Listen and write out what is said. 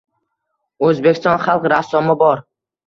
O‘zbekiston xalq rassomi bor.